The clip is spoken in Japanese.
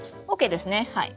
ＯＫですねはい。